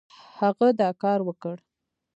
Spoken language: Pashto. هغه دا کار وکړ.